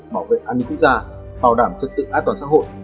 bảo vệ an ninh quốc gia bảo đảm trật tự an toàn xã hội